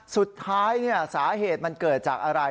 สุดท้ายสาเหตุมันเกิดจากอะไร